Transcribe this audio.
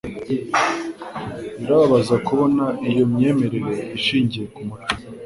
Birababaza kubona iyo myemerere ishingiye ku muco